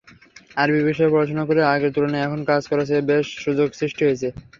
আরবি বিষয়ে পড়াশোনা করে আগের তুলনায় এখন কাজ করার বেশ সুযোগ সৃষ্টি হচ্ছে।